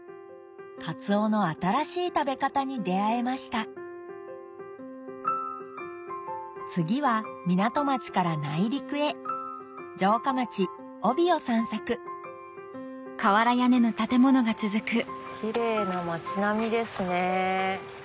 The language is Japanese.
カツオの新しい食べ方に出合えました次は港町から内陸へ城下町飫肥を散策キレイな町並みですね。